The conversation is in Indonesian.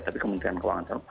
tapi kementerian keuangan